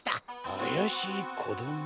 あやしいこども？